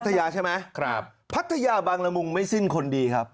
ยาใช่ไหมครับพัทยาบางละมุงไม่สิ้นคนดีครับ